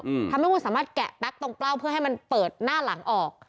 อืมทำให้คุณสามารถแกะแป๊กตรงเปล้าเพื่อให้มันเปิดหน้าหลังออก